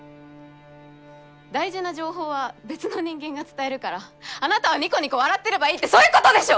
大事な情報は別の人間が伝えるからあなたはニコニコ笑ってればいいってそういうことでしょ！？